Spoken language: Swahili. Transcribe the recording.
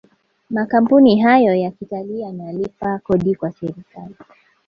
makampuni hayo ya kitalii yanalipa Kodi kwa serikali